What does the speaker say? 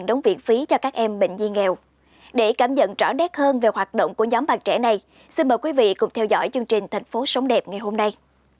để cảm nhận trỏ đét hơn về hoạt động của nhóm bạn trẻ này xin mời quý vị cùng theo dõi chương trình thành phố sống đẹp ngày hôm nay